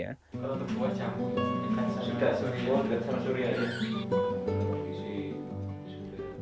kalau terbuat campur ikan sudah dikuas ikan sudah dikacau